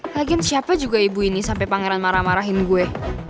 lagiin siapa juga ibu ini sampai pangeran marah marahin gue